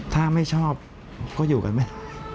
ถ้าไม่ชอบก็อยู่กันไหม